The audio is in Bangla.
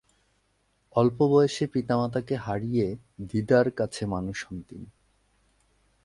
অল্প বয়সে পিতামাতাকে হারিয়ে দিদার কাছে মানুষ হন তিনি।